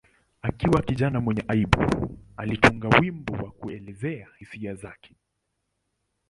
Akiwa kijana mwenye aibu, alitunga wimbo wa kuelezea hisia zake.